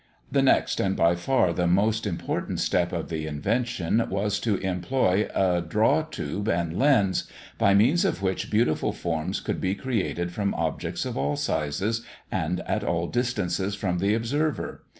The next and by far the most important step of the invention was, to employ a draw tube and lens, by means of which beautiful forms could be created from objects of all sizes, and at all distances from the observer.